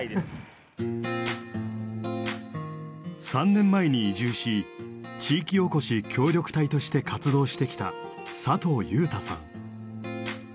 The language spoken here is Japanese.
３年前に移住し地域おこし協力隊として活動してきた佐藤祐太さん。